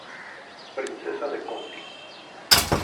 Princesa de Conti.